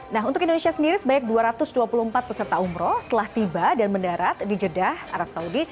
nah untuk indonesia sendiri sebanyak dua ratus dua puluh empat peserta umroh telah tiba dan mendarat di jeddah arab saudi